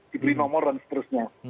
diberi nomor dan seterusnya